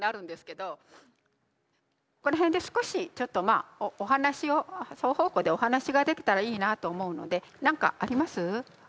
ここら辺で少しちょっとまあお話を双方向でお話ができたらいいなと思うので何かあります？あります？